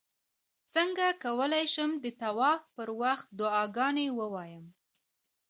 څنګه کولی شم د طواف پر وخت دعاګانې ووایم